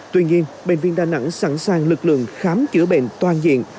tuy nhiên bệnh viện đà nẵng sẵn sàng lực lượng khám chữa bệnh toàn diện